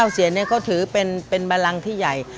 ๙เสียนเนี่ยเขาถือเป็นบรรลังที่ใหญ่